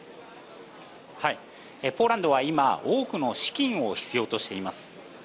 ポーランドは今多くの資金を必要としています。